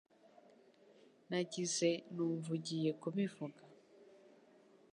Nagize numva ugiye kubivuga.